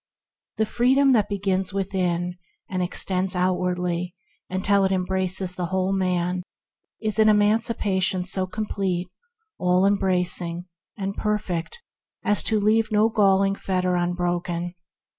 The Freedom that begins within and extends outwardly until it embraces the whole man, is an emancipation so complete, all embrac ing, and perfect as to leave no galling fetter unbroken.